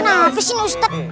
nah kesini ustadz